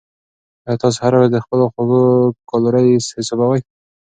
آیا تاسو هره ورځ د خپلو خواړو کالوري حسابوئ؟